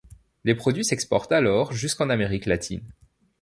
Les produits s’exportent alors jusqu’en Amérique latine.